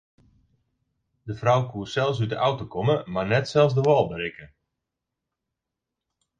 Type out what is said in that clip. De frou koe sels út de auto komme mar net sels de wâl berikke.